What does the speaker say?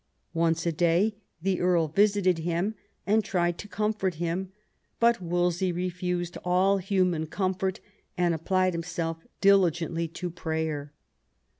Once a day the earl visited him and tried to comfort him, but Wolsey refused all human comfort, and applied himself diligently to prayer.